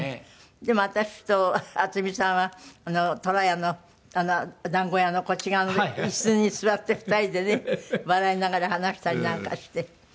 でも私と渥美さんはとらやのだんご屋のこっち側の椅子に座って２人でね笑いながら話したりなんかして。